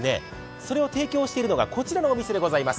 それを提供しているのが、こちらのお店でございます。